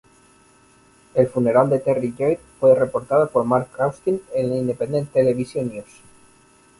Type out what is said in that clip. El funeral de Terry Lloyd fue reportado por Mark Austin en Independent Television News.